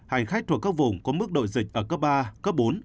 hành khách thuộc các vùng có mức độ dịch ở cấp ba cấp bốn